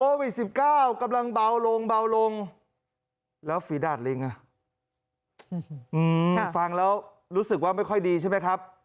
โควิด๑๙กำลังเบาลงเบาลงแล้วฝีดาดลิงอ่ะฟังแล้วรู้สึกว่าไม่ค่อยดีใช่ไหมครับ